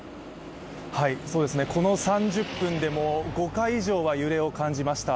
この３０分でも５回以上は揺れを感じました。